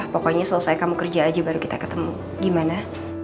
pokoknya selesai kamu kerja aja baru kita ketemu gimana